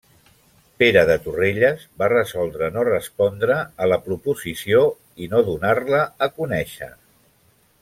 Pere de Torrelles va resoldre no respondre a la proposició i no donar-la a conèixer.